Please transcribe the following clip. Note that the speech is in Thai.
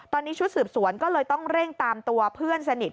ตอนนี้ชุดสืบสวนก็เลยต้องเร่งตามตัวเพื่อนสนิท